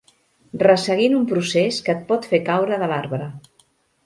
Resseguint un procés que et pot fer caure de l'arbre.